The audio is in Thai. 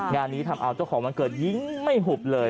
งานนี้ทำเอาเจ้าของวันเกิดยิงไม่หุบเลย